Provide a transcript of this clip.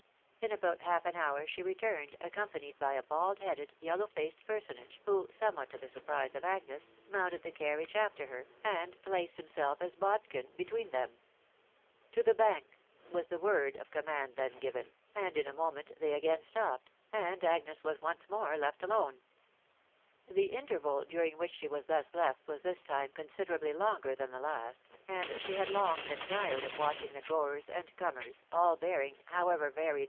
In about half an hour she returned, acoont panied by a bald headed, yellow faced personage, who, some what to the surprise of Agnes, mounted the carriage after hec, and placed himself as bodkin between mem, €t To the Bank," mat the word of command then given; and in a moment they again stopped, and Agnes was once mora^\*in»Ju The interval during whida ahe/waa «m& V&™» *»»* TOfi WIDOW BAXLtrJBBr. 407 considerably longer than the last; and she had long been tirec of watching the goers and comers, all bearing, however varied.